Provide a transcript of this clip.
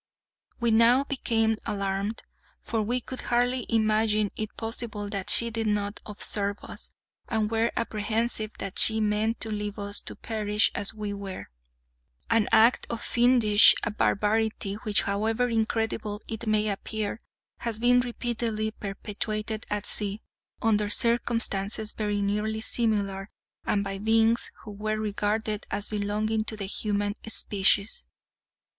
We now became alarmed, for we could hardly imagine it possible that she did not observe us, and were apprehensive that she meant to leave us to perish as we were—an act of fiendish barbarity, which, however incredible it may appear, has been repeatedly perpetuated at sea, under circumstances very nearly similar, and by beings who were regarded as belonging to the human species.